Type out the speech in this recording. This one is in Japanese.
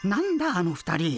あの２人。